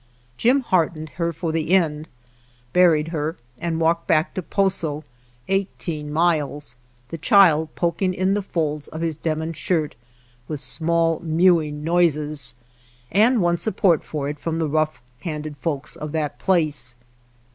Jim heartened her for the end, buried her, and walked back to Poso, eighteen miles, the child poking in the folds of his denim shirt with srnall^neLwinor noises, and won support for it from the rough handed folks of that place.